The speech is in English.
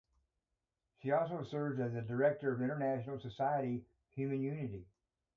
She also serves as the director of International Society of Human Unity.